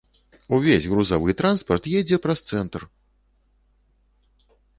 Увесь грузавы транспарт едзе праз цэнтр!